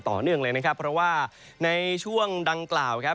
ต่อเนื่องเลยนะครับเพราะว่าในช่วงดังกล่าวครับ